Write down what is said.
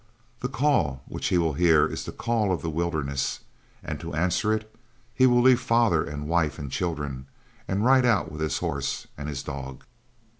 The call which he will hear is the call of the wilderness, and to answer it he will leave father and wife and children and ride out with his horse and his dog!"